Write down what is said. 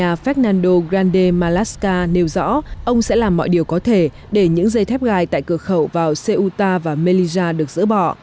tây ban nha fernando grande malasca nêu rõ ông sẽ làm mọi điều có thể để những dây thép gai tại cửa khẩu vào ceuta và melilla được dỡ bỏ